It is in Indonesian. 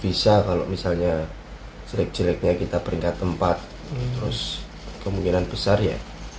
bisa kalau misalnya jelek jeleknya kita peringkat empat terus kemungkinan besar ya